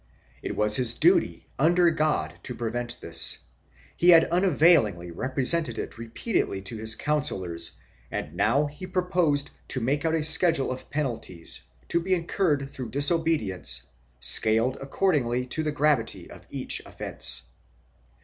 It was his duty, under God, to prevent this; he had unavailingly represented it repeatedly to his councillors and now he proposed to make out a schedule of penalties, to be incurred through disobedience, scaled according to the gravity of each offence.